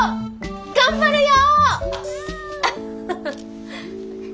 頑張るよ！